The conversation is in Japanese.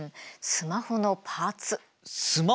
スマホのパーツ？